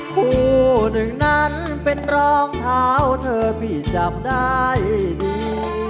ผู้หนึ่งนั้นเป็นรองเท้าเธอพี่จำได้ดี